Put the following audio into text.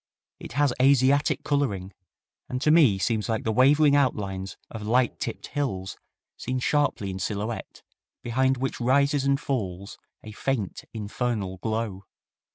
It has Asiatic coloring, and to me seems like the wavering outlines of light tipped hills seen sharply en silhouette, behind which rises and falls a faint, infernal glow.